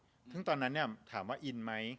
ช่างตอนนั้นถามว่าอิ่นไหม